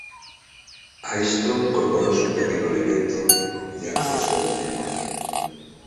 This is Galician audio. A isto incorporouse un pequeno elemento de acceso ao interior.